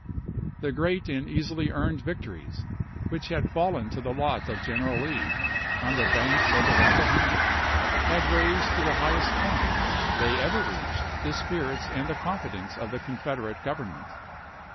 The great and easily earned victories which had fallen to the lot of General Lee on the banks of the Rappahannock had raised to the highest point they ever reached the spirits and the confidence of the Confederate Government.